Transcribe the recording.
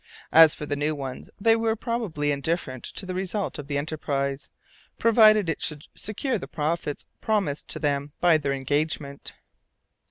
As for the new ones, they were probably indifferent to the result of the enterprise, provided it should secure the profits promised to them by their engagement.